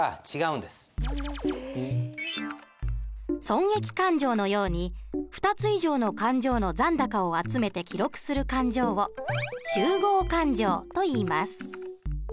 損益勘定のように２つ以上の勘定の残高を集めて記録する勘定を集合勘定といいます。